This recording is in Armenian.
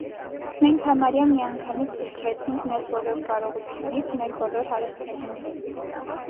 Մենք համարյա մի անգամից զրկվեցինք մեր բոլոր կարողությունից, մեր բոլոր հարստությունից.